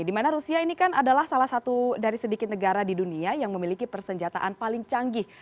di mana rusia ini kan adalah salah satu dari sedikit negara di dunia yang memiliki persenjataan paling canggih